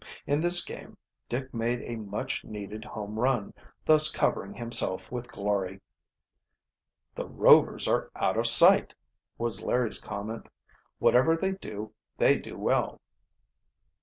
In this game Dick made a much needed home run, thus covering himself with glory. "The Rovers are out of sight!" was Larry's comment. "Whatever they do they do well."